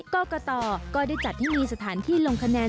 กรกตก็ได้จัดให้มีสถานที่ลงคะแนน